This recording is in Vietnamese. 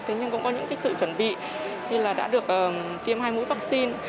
thế nhưng cũng có những cái sự chuẩn bị như là đã được tiêm hai mũi vaccine